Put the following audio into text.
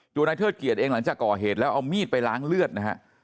นายเทิดเกียจเองหลังจากก่อเหตุแล้วเอามีดไปล้างเลือดนะฮะ